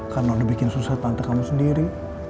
karena udah bikin susah tante kamu sendiri